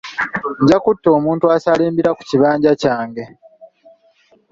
Nja kutta omuntu asaalimbira ku kibanja kyange.